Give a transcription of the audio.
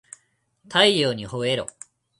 太陽にほえろ